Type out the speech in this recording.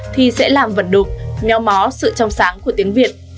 thì sẽ làm vật đục meo mó sự trong sáng của tiếng việt